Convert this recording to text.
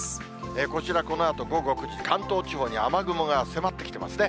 こちら、このあと午後９時、関東地方に雨雲が迫ってきてますね。